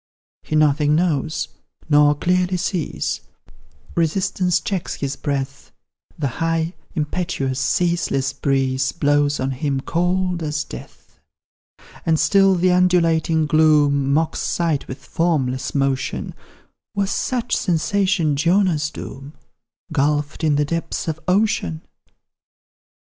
He nothing knows nor clearly sees, Resistance checks his breath, The high, impetuous, ceaseless breeze Blows on him cold as death. And still the undulating gloom Mocks sight with formless motion: Was such sensation Jonah's doom, Gulphed in the depths of ocean?